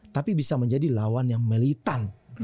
tapi bisa menjadi lawan yang militan